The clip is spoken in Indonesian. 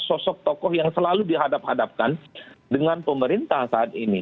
sosok tokoh yang selalu dihadap hadapkan dengan pemerintah saat ini